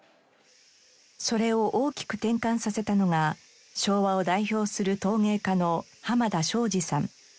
それを大きく転換させたのが昭和を代表する陶芸家の濱田庄司さん。